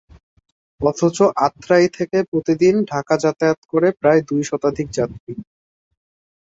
অথচ আত্রাই থেকে প্রতিদিন ঢাকা যাতায়াত করে প্রায় দুই শতাধিক যাত্রী।